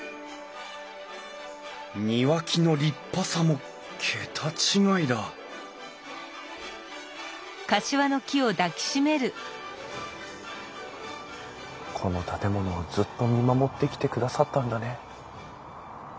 庭木の立派さも桁違いだこの建物をずっと見守ってきてくださったんだね。